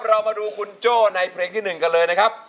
เรามาดูคุณโจ้ในเพลงที่๑กันเลยนะครับ